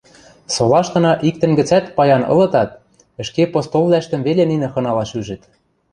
Солаштына иктӹн гӹцӓт паян ылытат, ӹшке постолвлӓштӹм веле нинӹ хыналаш ӱжӹт.